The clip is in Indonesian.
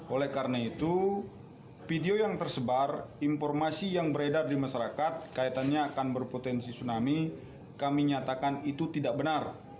oleh karena itu video yang tersebar informasi yang beredar di masyarakat kaitannya akan berpotensi tsunami kami nyatakan itu tidak benar